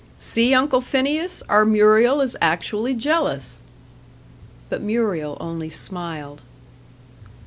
"See, Uncle Phineas, our Muriel is actually jealous." But Muriel only smiled.